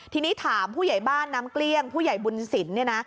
ทีนี้ถามผู้ใหญ่บ้านน้ำเกลี้ยงผู้ใหญ่บุญศิลป์เนี่ยนะ